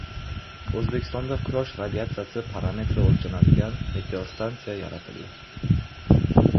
O‘zbekistonda quyosh radiatsiyasi parametri o‘lchanadigan meteostansiya yaratildi